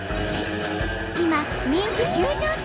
今人気急上昇！